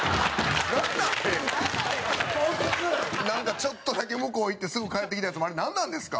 ちょっとだけ向こう行ってすぐ帰ってきたやつもあれ、なんなんですか？